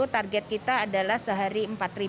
target kita adalah sehari